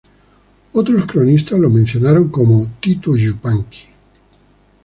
Otros cronistas lo mencionan como "Titu Yupanqui".